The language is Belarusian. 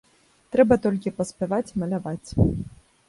Трэба толькі паспяваць маляваць.